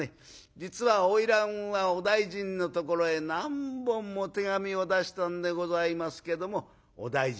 『実は花魁はお大尽のところへ何本も手紙を出したんでございますけどもお大尽